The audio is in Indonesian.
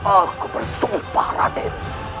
aku bersumpah raden